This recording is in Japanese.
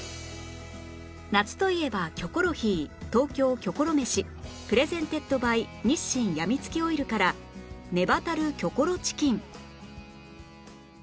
「夏といえばキョコロヒー東京キョコロめし ｐｒｅｓｅｎｔｅｄｂｙ 日清やみつきオイル」からうん！